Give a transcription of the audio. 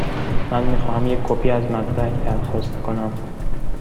من می خواهم یک کپی از مدرک درخواست کنم.